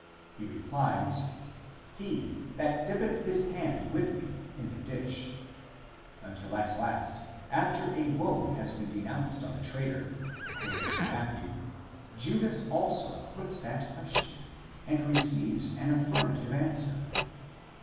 he replies: he that dippeth his hand with me in the dish; until at last, after a woe has been denounced on the traitor, according to Matthew, Judas also puts that question, and receives an affirmative answer.